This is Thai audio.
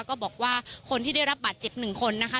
ก็บอกว่าคนที่ได้รับบาดเจ็บหนึ่งคนนะคะ